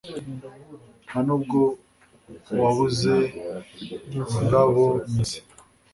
Ntanubwo wabuze ururabomizi